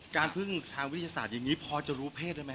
แล้วทางดีสุดไหม